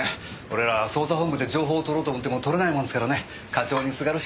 俺ら捜査本部で情報を取ろうと思っても取れないもんですからね課長にすがるしか。